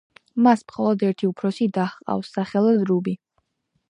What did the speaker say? მას მხოლოდ ერთი უფროსი და ჰყავს, სახელად რუბი.